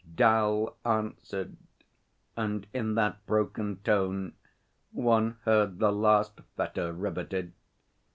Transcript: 'Dal answered, and in that broken tone one heard the last fetter riveted.